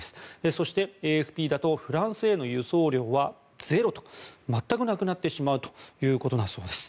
そして、ＡＦＰだとフランスへの輸送量はゼロと全くなくなってしまうということだそうです。